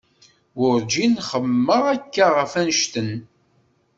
Werǧin xemmemeɣ akka ɣef annect-en.